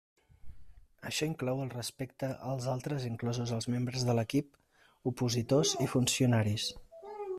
Això inclou el respecte als altres, inclosos els membres de l'equip, opositors i funcionaris.